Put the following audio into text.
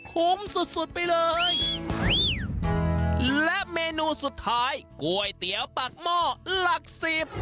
คุ้มสุดสุดไปเลยและเมนูสุดท้ายก๋วยเตี๋ยวปากหม้อหลักสิบ